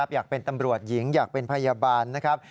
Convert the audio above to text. อยากเป็นตำรวจหญิงอยากเป็นพยาบาลนะครับ